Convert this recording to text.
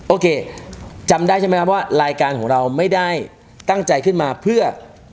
โอเคจำได้ใช่ไหมครับว่ารายการของเราไม่ได้ตั้งใจขึ้นมาเพื่อ